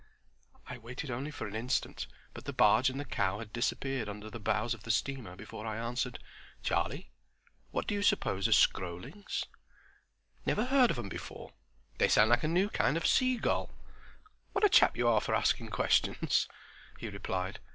I waited only for an instant, but the barge and the cow had disappeared under the bows of the steamer before I answered. "Charlie, what do you suppose are Skroelings?" "Never heard of 'em before. They sound like a new kind of seagull. What a chap you are for asking questions!" he replied.